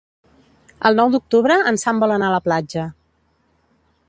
El nou d'octubre en Sam vol anar a la platja.